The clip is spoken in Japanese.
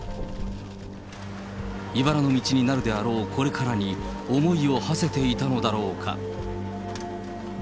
いばらの道になるであろうこれからに、思いをはせていたのだろうか。